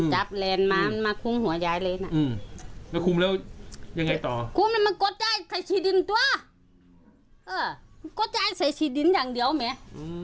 ก็แล้วยังไงต่อ